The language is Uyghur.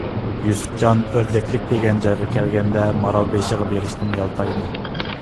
يۈسۈپجان ئۆردەكلىك دېگەن جايغا كەلگەندە، مارالبېشىغا بېرىشتىن يالتايدى.